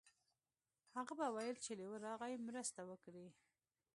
هغه به ویل چې لیوه راغی مرسته وکړئ.